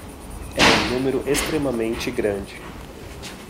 É um número extremamente grande